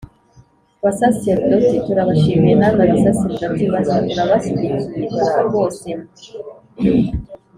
basaserdoti. turabashimiye namwe basaserdoti bashya. turabashyigikiye kuko rwose m